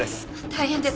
大変です！